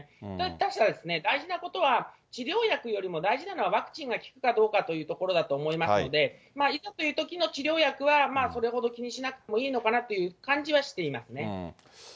確かに、大事なことは、治療薬よりも大事なのはワクチンが効くかどうかというところだと思いますので、いざというときの治療薬は、それほど気にしなくてもいいのかなという感じはしていますね。